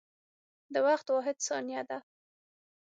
د وخت واحد ثانیه ده.